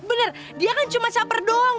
bener dia kan cuma saper doang